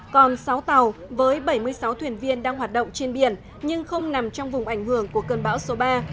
còn sáu tàu với bảy mươi sáu thuyền viên đang hoạt động trên biển nhưng không nằm trong vùng ảnh hưởng của cơn bão số ba